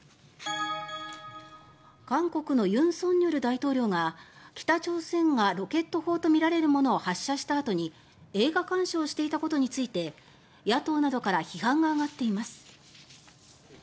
韓国の尹錫悦大統領が北朝鮮がロケット砲とみられるものを発射したあとに映画鑑賞をしていたことについて野党などから批判が上がっています。